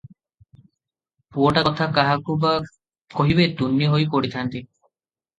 ପୁଅଟା କଥା କାହାକୁ ବା କହିବେ, ତୁନି ହୋଇ ପଡିଥାନ୍ତି ।